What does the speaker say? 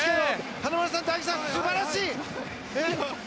華丸さん、大吉さん素晴らしい！